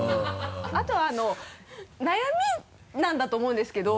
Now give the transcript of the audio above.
あとは悩みなんだと思うんですけど。